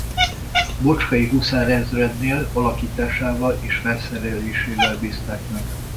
Bocskai huszárezrednél alakításával és felszerelésével bízták meg.